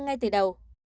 ngay từ đầu